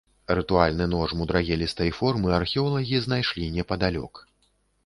Рытуальны нож мудрагелістай формы археолагі знайшлі непадалёк.